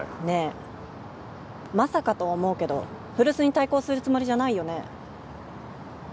ねえまさかとは思うけど古巣に対抗するつもりじゃないよね？